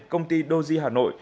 công ty doji hà nội